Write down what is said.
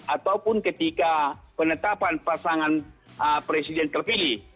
ataupun ketika penetapan pasangan presiden terpilih